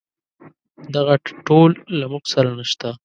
دغه ټول له موږ سره نشته.